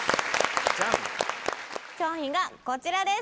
商品がこちらです